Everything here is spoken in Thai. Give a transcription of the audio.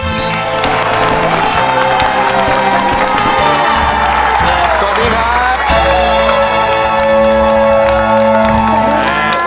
สวัสดีครับ